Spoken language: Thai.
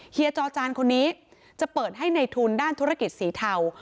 เฮีจอจานคนนี้จะเปิดให้ในทุนด้านธุรกิจสีเทา